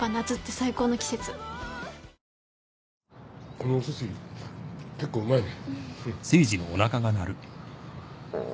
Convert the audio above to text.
このおすし結構うまいね。